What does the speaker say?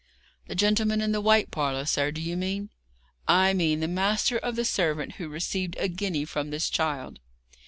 'The gentleman in the white parlour, sir, do you mean?' 'I mean the master of the servant who received a guinea from this child.'